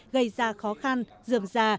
gây ra khó khăn dườm già